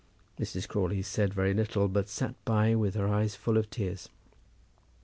Mrs. Crawley said very little, but sat by with her eyes full of tears.